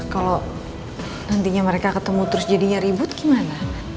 kalau nantinya mereka ketemu terus jadinya ribut gimana